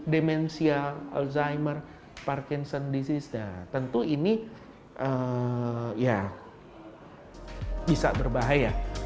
demensia alzheimer parkinson's disease tentu ini bisa berbahaya